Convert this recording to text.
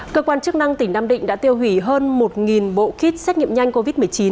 cơ quan chức năng tỉnh nam định đã tiêu hủy hơn một bộ kit xét nghiệm nhanh covid một mươi chín